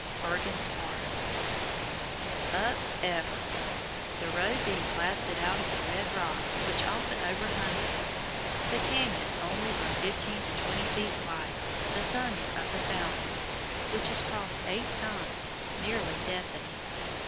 Bergens Park Up ever! the road being blasted out of the red rock which often overhung it, the canyon only from fifteen to twenty feet wide, the thunder of the Fountain, which is crossed eight times, nearly deafening.